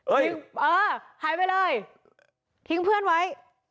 ทิ้งเออหายไปเลยทิ้งเพื่อนไว้